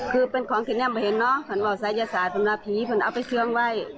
คือเป็นของแค่นี้ไม่เห็นเนอะฝันเอาศัยศาสตร์ฝันเอาไปเชื่องไว้